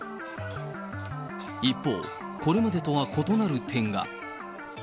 一方、これまでとは異なる点が。